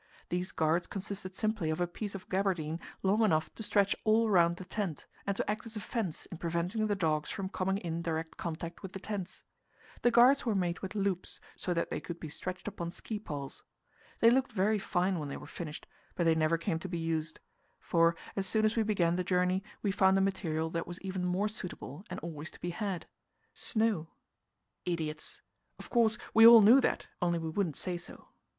These guards consisted simply of a piece of gabardine long enough to stretch all round the tent, and to act as a fence in preventing the dogs from coming in direct contact with the tents. The guards were made with loops, so that they could be stretched upon ski poles. They looked very fine when they were finished, but they never came to be used; for, as soon as we began the journey, we found a material that was even more suitable and always to be had snow. Idiots! of course, we all knew that, only we wouldn't say so.